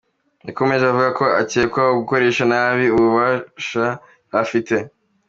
Yakomeje avuga ko ‘akekwaho gukoresha nabi ububasha yari afite.